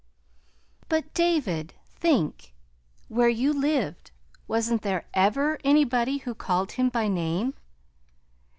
"But, David, think. Where you lived, wasn't there ever anybody who called him by name?"